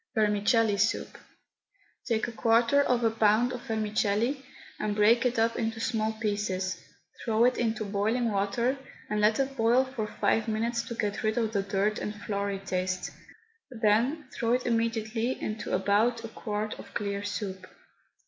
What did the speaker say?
VERMICELLI SOUP. Take a quarter of a pound of vermicelli and break it up into small pieces, throw it into boiling water, and let it boil for five minutes to get rid of the dirt and floury taste, then throw it immediately into about a quart of clear soup.